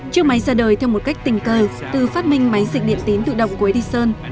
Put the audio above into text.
chiếc máy ra đời theo một cách tình cờ từ phát minh máy dịch điện tín tự động của edison